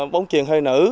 bóng truyền hơi nữ